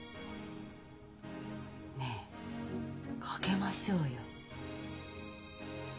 ねえ賭けましょうよ。